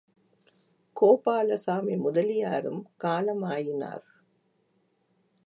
கோபாலசாமி முதலியாரும் காலமாயினார்.